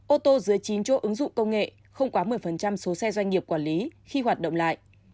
ô tô dưới chín chỗ ứng dụng công nghệ không quá một mươi số xe doanh nghiệp quản lý khi hoạt động lại